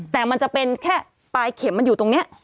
แต่มันจะเป็นแค่ปลายเข็มมันอยู่ตรงนี้